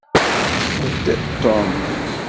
Ṭṭef-d Tom.